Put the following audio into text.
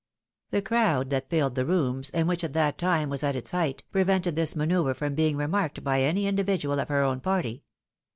The crowd that filled the rooms, and which at that time was at its height, prevented this manceuvre from being remarked by any individual of her own party.